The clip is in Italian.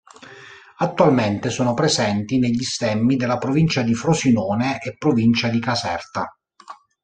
Attualmente sono presenti negli stemmi della provincia di Frosinone e provincia di Caserta.